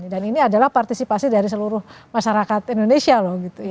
dan ini adalah partisipasi dari seluruh masyarakat indonesia loh